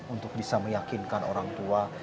untuk bisa meyakinkan orang tua